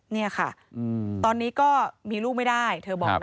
นี่ค่ะตอนนี้ก็มีลูกไม่ได้เธอบอกนะ